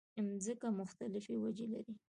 مځکه مختلفې وچې لري.